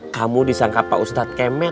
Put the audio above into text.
kamu disangka pak ustadz kemen